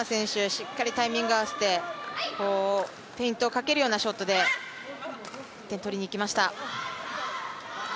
しっかりタイミングを合わせて、フェイントをかけるようなショットで１点取りに行きました。